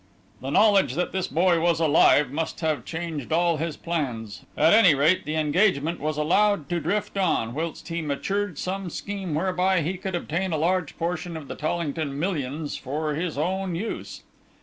"The knowledge that this boy was alive must have changed all his plans; at any rate, the engagement was allowed to drift on, whilst he matured some scheme whereby he could obtain a large portion of the Tollington millions for his own use.